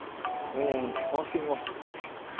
うん回してみます？